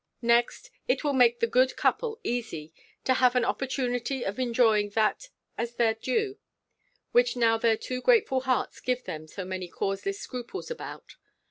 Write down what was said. Next, it will make the good couple easy, to have an opportunity of enjoying that as their due, which now their too grateful hearts give them so many causeless scruples about.